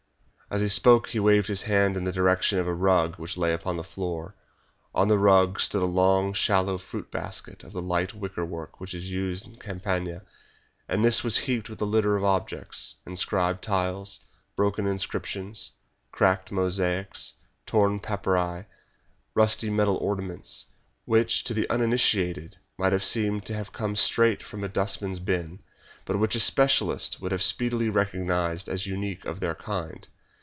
As he spoke he waved his hand in the direction of a rug which lay upon the floor. On the rug stood a long, shallow fruit basket of the light wicker work which is used in the Campagna, and this was heaped with a litter of objects, inscribed tiles, broken inscriptions, cracked mosaics, torn papyri, rusty metal ornaments, which to the uninitiated might have seemed to have come straight from a dustman's bin, but which a specialist would have speedily recognized as unique of their kind.